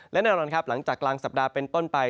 และแน่นอนครับหลังจากกลางสัปดาห์เป็นต้นไป